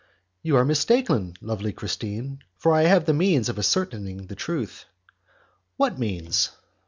"You are mistaken, lovely Christine, for I have the means of ascertaining the truth." "What means?"